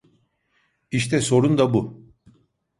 İşte sorun da bu.